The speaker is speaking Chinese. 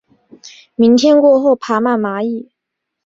明天过后爬满蚂蚁